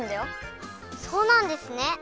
そうなんですね。